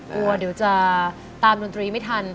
กลัวเดี๋ยวจะตามดนตรีไม่ทัน